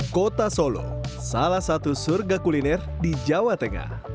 kota solo salah satu surga kuliner di jawa tengah